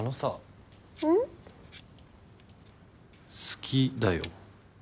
好きだよ。